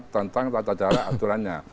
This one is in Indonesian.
tentang tata cara aturannya